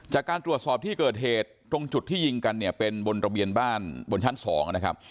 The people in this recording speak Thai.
จากการตรวจสอบที่เกิดเหตุตรงจุดที่ยิงกันเนี่ยเป็นบนระเบียนบ้านบนชั้น๒นะครับ